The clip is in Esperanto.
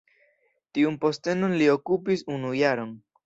Tiun postenon li okupis unu jaron.